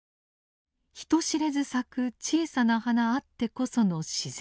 人知れず咲く小さな花あってこその自然。